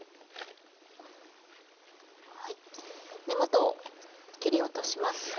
根元を切り落とします。